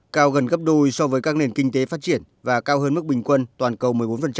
cao gần gấp đôi so với các nền kinh tế phát triển và cao hơn mức bình quân toàn cầu một mươi bốn